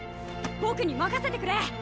僕に任せてくれ！